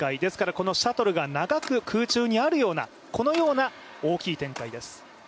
このシャトルが長く空中にあるようなこのような大きい展開です。